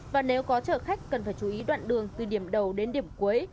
và nếu có chở khách cần phải chú ý đoạn đường từ điểm đầu đến điểm cuối